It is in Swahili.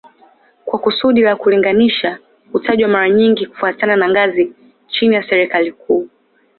Kwa kusudi la kulinganisha hutajwa mara nyingi kufuatana na ngazi chini ya serikali kuu